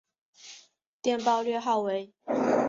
电报略号为。